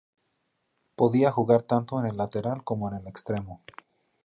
Podía jugar tanto en el lateral como en el extremo.